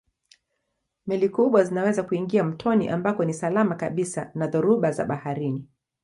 Meli kubwa zinaweza kuingia mtoni ambako ni salama kabisa na dhoruba za baharini.